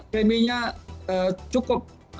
pmi nya cukup